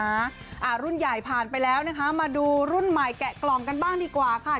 อ่ารุ่นใหญ่ผ่านไปแล้วนะคะมาดูรุ่นใหม่แกะกล่องกันบ้างดีกว่าค่ะ